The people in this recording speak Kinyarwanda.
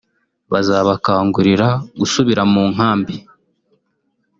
bazabakangurira gusubira mu nkambi